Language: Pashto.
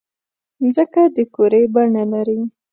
مځکه د کُرې بڼه لري.